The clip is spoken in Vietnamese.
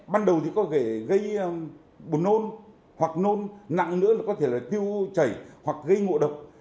ban đầu thì có thể gây buồn nôn hoặc nôn nặng nữa là có thể là tiêu chảy hoặc gây ngộ độc